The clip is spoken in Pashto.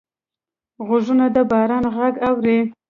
غوږونه د باران غږ اوري